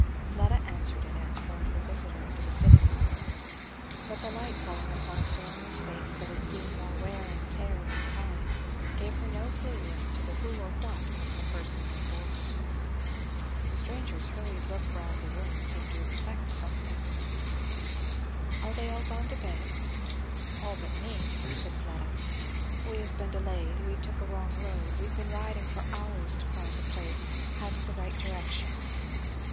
Fleda answered it, and brought her visitor into the sitting room. But the light falling upon a form and face that had seen more wear and tear than time, gave her no clue as to the who or what of the person before her. The stranger's hurried look round the room seemed to expect something. "Are they all gone to bed?" "All but me," said Fleda. "We have been delayed we took a wrong road we've been riding for hours to find the place hadn't the right direction."